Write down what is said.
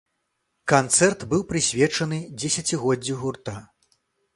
Канцэрт быў прысвечаны дзесяцігоддзю гурта.